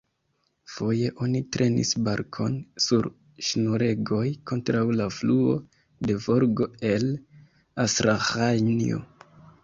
Foje oni trenis barkon sur ŝnuregoj kontraŭ la fluo de Volgo, el Astraĥanjo.